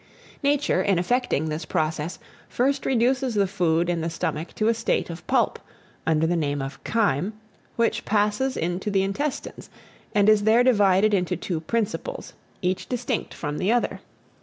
Nature, in effecting this process, first reduces the food in the stomach to a state of pulp, under the name of chyme, which passes into the intestines, and is there divided into two principles, each distinct from the other.